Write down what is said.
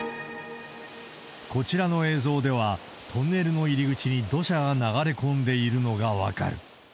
こちらの映像では、トンネルの入り口に土砂が流れ込んでいるのが分かる。